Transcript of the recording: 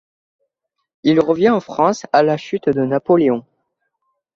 Il revient en France à la chute de Napoléon.